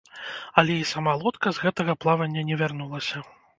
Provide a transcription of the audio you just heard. Але і сама лодка з гэтага плавання не вярнулася.